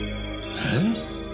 えっ？